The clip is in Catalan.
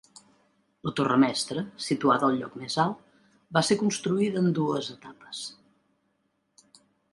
La torre mestra, situada al lloc més alt, va ser construïda en dues etapes.